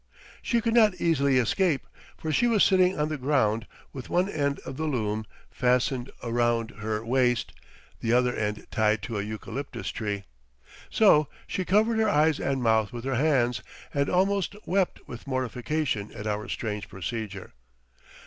She could not easily escape, for she was sitting on the ground with one end of the loom fastened around her waist, the other end tied to a eucalyptus tree. So she covered her eyes and mouth with her hands, and almost wept with mortification at our strange procedure.